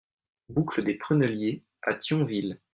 Boucle des Prunelliers à Thionville